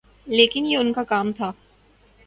لیکن یہ ان کا کام تھا۔